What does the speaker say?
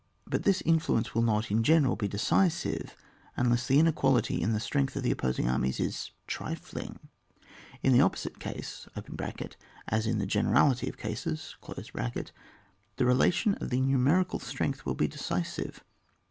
But this influence will not, in general, be decisive unless the inequality in the strength of the opposing armies is trifling; in the opposite case (as in the generality of cases), the relation of the numeric^ strength will be decisive.